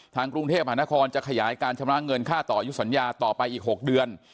กรุงเทพหานครจะขยายการชำระเงินค่าต่ออายุสัญญาต่อไปอีก๖เดือน